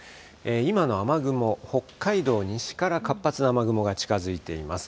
今の雨雲、北海道、西から活発な雨雲が近づいています。